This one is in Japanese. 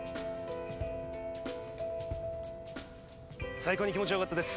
最高に気持ちよかったです。